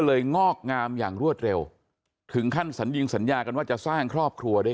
งอกงามอย่างรวดเร็วถึงขั้นสัญญิงสัญญากันว่าจะสร้างครอบครัวด้วย